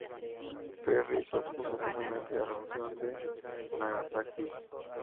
Perry se opuso firmemente a la opción de Nagasaki.